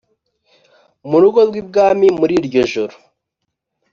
murugo rwibwami muri ry’ijoro